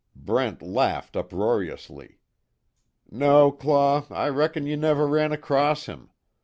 Brent laughed uproariously: "No, Claw, I reckon you never ran across him.